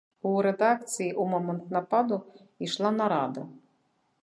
У рэдакцыі ў момант нападу ішла нарада.